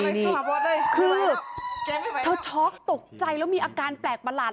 คือเธอช็อกตกใจแล้วมีอาการแปลกประหลาด